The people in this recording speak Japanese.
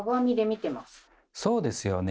そうですよね。